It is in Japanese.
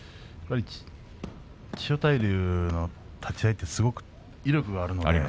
千代大龍が立ち合いすごく威力があります。